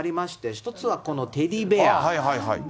１つはこのテディベア。